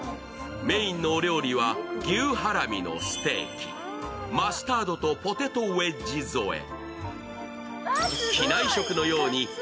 メーンのお料理は牛ハラミのステーキ、マスタードとポテトウェッジ添え。